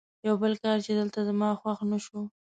یو بل کار چې دلته زما خوښ نه شو.